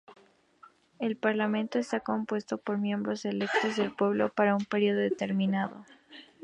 El parlamento está compuesto por miembros electos por el pueblo para un período determinado.